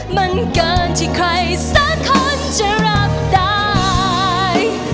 มันเกินที่ใครสักคนจะรับได้